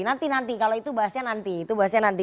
nanti nanti kalau itu bahasanya nanti